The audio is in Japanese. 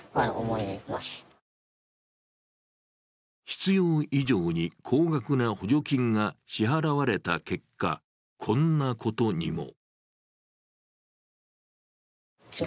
必要以上に高額な補助金が支払われた結果、こんなことにも。